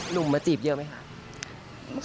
หนุ่มมาจีบเยอะไหมคะ